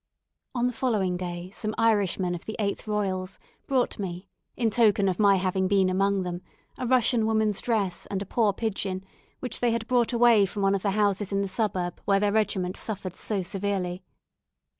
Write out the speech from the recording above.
On the following day some Irishmen of the 8th Royals brought me, in token of my having been among them, a Russian woman's dress and a poor pigeon, which they had brought away from one of the houses in the suburb where their regiment suffered so severely.